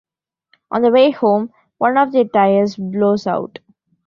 On the way home, one of their tires blows out.